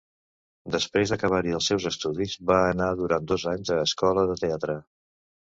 Després d'acabar-hi els seus estudis, va anar durant dos anys a escola de teatre.